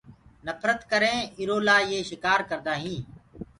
نڦرت ڪرينٚ ايرو لآ يي شڪآر ڪردآئينٚ